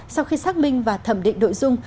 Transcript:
sau khi xác minh và thẩm định đội dung